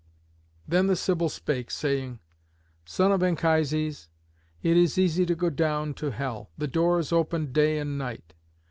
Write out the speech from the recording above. Then the Sibyl spake, saying, "Son of Anchises, it is easy to go down to hell. The door is open day and night.